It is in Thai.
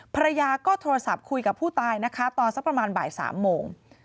ภรรยาก็โทรศัพท์คุยกับผู้ตายนะคะตอนสักประมาณบ่าย๓โมง